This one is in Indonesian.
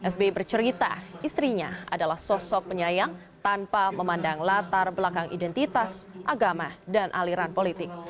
sbi bercerita istrinya adalah sosok penyayang tanpa memandang latar belakang identitas agama dan aliran politik